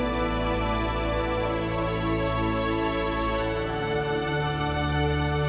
bidang bidana yang membekerja dwold melalui bidangan dan karakter jururawat